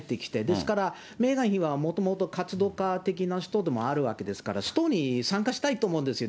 ですから、メーガン妃はもともと活動家的な人でもあるわけですから、ストに参加したいと思うんですよ。